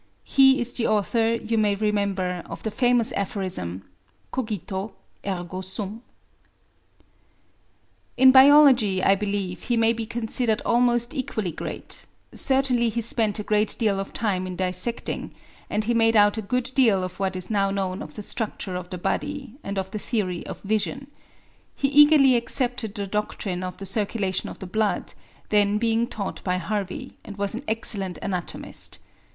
(He is the author, you may remember, of the famous aphorism, "Cogito, ergo sum.") In biology I believe he may be considered almost equally great: certainly he spent a great deal of time in dissecting, and he made out a good deal of what is now known of the structure of the body, and of the theory of vision. He eagerly accepted the doctrine of the circulation of the blood, then being taught by Harvey, and was an excellent anatomist.